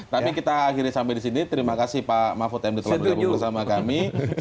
tapi kita akhiri sampai di sini terima kasih pak mahfud md telah bergabung bersama kami